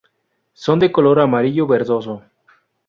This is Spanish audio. Son de color amarillo verdoso.